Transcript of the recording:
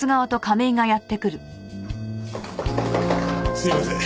すいません。